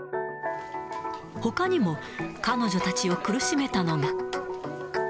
ほかにも彼女たちを苦しめたのが。